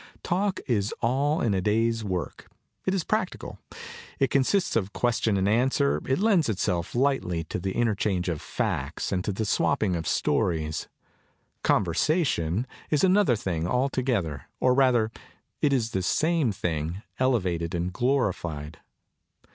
Talk is all in the day's work; it is practical; it consists of question and answer; it lends itself lightly to the interchange of facts and to the swapping of stories. Conversation is another thing altogether, or rather it is the same thing elevated and glorified.